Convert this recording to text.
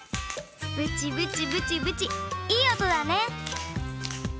ブチブチブチブチいいおとだね。